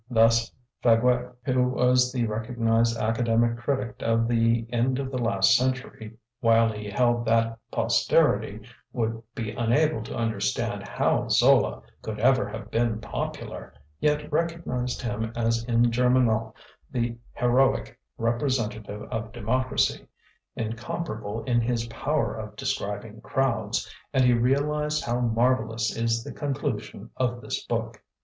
Thus Faguet, who was the recognized academic critic of the end of the last century, while he held that posterity would be unable to understand how Zola could ever have been popular, yet recognized him as in Germinal the heroic representative of democracy, incomparable in his power of describing crowds, and he realized how marvellous is the conclusion of this book.